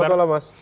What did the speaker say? selamat malam mas